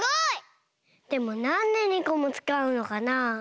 でもなんで２こもつかうのかなあ？